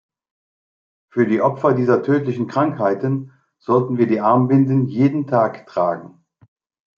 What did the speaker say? Für die Opfer dieser tödlichen Krankheiten sollten wir die Armbinden jeden Tag tragen.